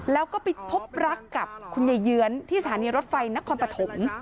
แล้วก็ไปพบรักกับคุณยายเยื้อนที่สถานีรถไฟนครปฐม